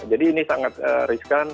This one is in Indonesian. jadi ini sangat riskan